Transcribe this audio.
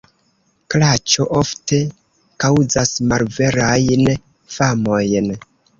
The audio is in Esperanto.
Klaĉo ofte kaŭzas malverajn famojn.